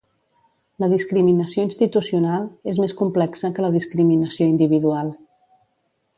La discriminació institucional és més complexa que la discriminació individual.